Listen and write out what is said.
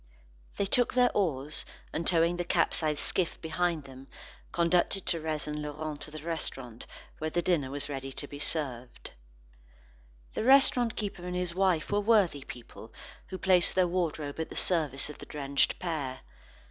They took their oars, and towing the capsized skiff behind them, conducted Thérèse and Laurent to the restaurant, where the dinner was ready to be served. The restaurant keeper and his wife were worthy people who placed their wardrobe at the service of the drenched pair.